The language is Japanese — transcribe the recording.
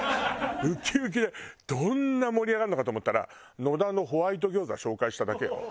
ウキウキでどんな盛り上がるのかと思ったら野田のホワイト餃子紹介しただけよ。